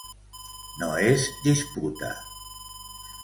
No es disputa.